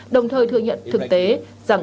đồng thời thừa nhận thực tế rằng